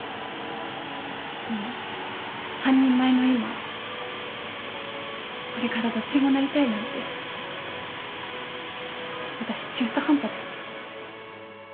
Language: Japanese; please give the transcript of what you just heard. でも半人前の今これからどっちもなりたいなんて私中途半端だよ。